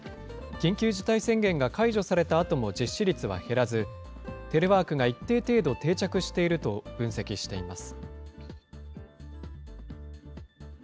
緊急事態宣言が解除されたあとも実施率は減らず、テレワークが一定程度、定着していると分析しています。